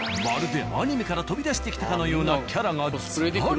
まるでアニメから飛び出してきたかのようなキャラがずらり。